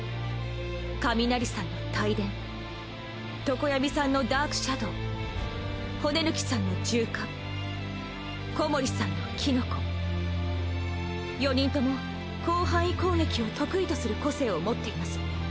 上鳴さんの帯電常闇さんのダークシャドウ骨抜さんの柔化小森さんのキノコ４人共広範囲攻撃を得意とする個性を持っています。